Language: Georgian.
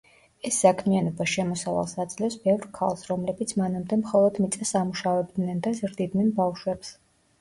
ეს საქმიანობა შემოსავალს აძლევს ბევრ ქალს, რომლებიც მანამდე მხოლოდ მიწას ამუშავებდნენ და ზრდიდნენ ბავშვებს.